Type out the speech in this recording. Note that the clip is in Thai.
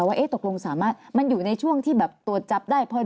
ว่าตกลงสามารถมันอยู่ในช่วงที่แบบตรวจจับได้